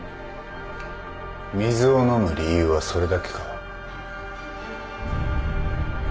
水を飲む理由はそれだけか？